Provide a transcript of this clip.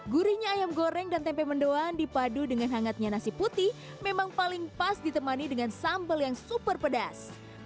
gurihnya ayam goreng dan tempe mendoan dipadu dengan hangatnya nasi putih memang paling pas ditemani dengan sambal yang super pedas